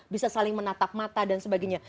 bisa saling menatap mata dan sebagainya